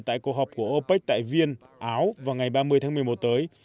tại cuộc họp của opec tại viên áo vào ngày ba mươi tháng một mươi một tới